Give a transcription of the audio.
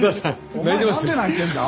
お前なんで泣いてんだ？